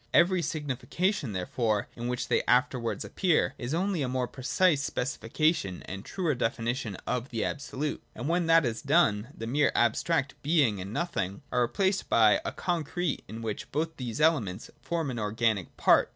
Every signification, therefore, in which they afterwards appear, is only a more precise specifica tion and truer definition of the Absolute. And when that is done, the mere abstract Being and Nothing are replaced by a concrete in which both these elements form an organic part.